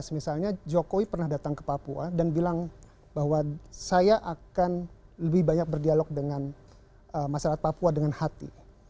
misalnya jokowi pernah datang ke papua dan bilang bahwa saya akan lebih banyak berdialog dengan masyarakat papua dengan hati